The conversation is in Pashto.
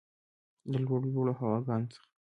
د لوړو ، لوړو هواګانو څخه